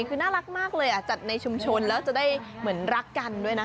คือน่ารักมากเลยจัดในชุมชนแล้วจะได้เหมือนรักกันด้วยนะ